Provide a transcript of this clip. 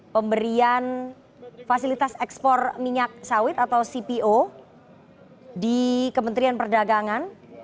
pemberian fasilitas ekspor minyak sawit atau cpo di kementerian perdagangan